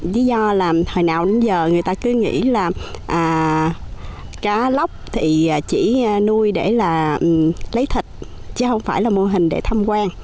lý do là thời nào đến giờ người ta cứ nghĩ là cá lóc thì chỉ nuôi để là lấy thịt chứ không phải là mô hình để thăm quan